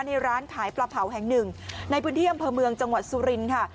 ในร้านขายปลาเผาแห่งหนึ่งในพื้นที่อำเภอเมืองจังหวัดสุรินทร์ค่ะ